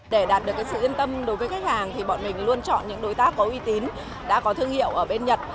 để đạt được sự yên tâm đối với khách hàng thì bọn mình luôn chọn những đối tác có uy tín đã có thương hiệu ở bên nhật